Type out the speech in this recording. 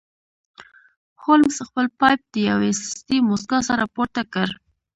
هولمز خپل پایپ د یوې سستې موسکا سره پورته کړ